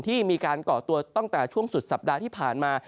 ที่มีการก่อตัวตั้งแต่ช่วงสุดสัปดาห์ที่ผ่านมา